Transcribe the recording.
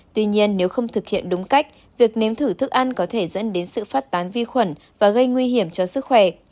tuy nhiên nếu không thực hiện đúng cách việc nếm thử thức ăn có thể dẫn đến sự phát tán vi khuẩn và gây nguy hiểm cho sức khỏe